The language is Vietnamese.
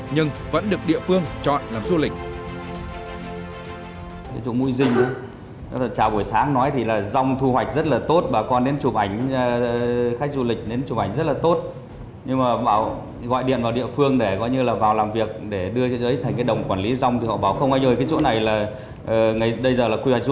nhưng vẫn được địa phương chọn làm du lịch